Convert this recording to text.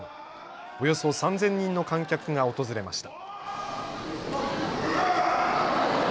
およそ３０００人の観客が訪れました。